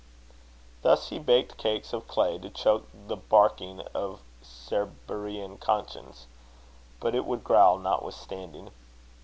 Thus he baked cakes of clay to choke the barking of Cerberian conscience. But it would growl notwithstanding.